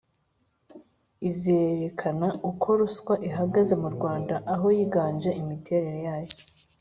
izerekana uko ruswa ihagaze mu Rwanda aho yiganje imiterere yayo